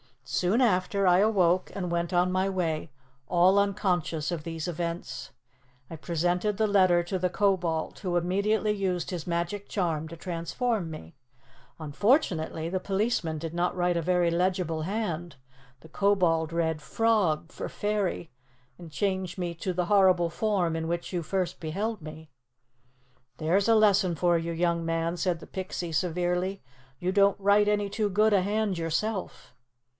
Soon after, I awoke and went on my way, all unconscious of these events. I presented the letter to the Kobold, who immediately used his magic charm to transform me. Unfortunately, the policeman did not write a very legible hand. The Kobold read frog for fairy and changed me to the horrible form in which you first beheld me." "There's a lesson for you, young man," said the Pixie severely. "You don't write any too good a hand yourself."